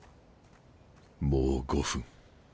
もう５分。